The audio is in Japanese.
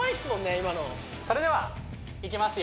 今のそれではいきますよ